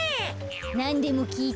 なんでもきいて。